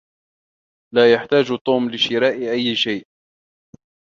لا يحتاج توم لشراء أي شيء.